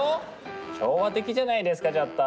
昭和的じゃないですかちょっと。